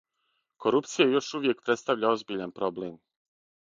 Корупција још увијек представља озбиљан проблем.